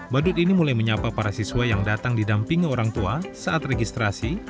badut ini mulai menyapa para siswa yang datang didampingi orang tua saat registrasi